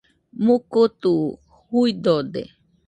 Mukutu juidode.